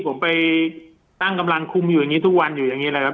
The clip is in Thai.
ผมไปตั้งกำลังคุมอยู่อย่างนี้ทุกวันอยู่อย่างนี้เลยครับ